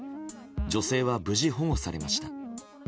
女性は無事保護されました。